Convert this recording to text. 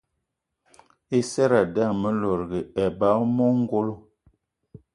I seradé ame lòdgì eba eme ongolo.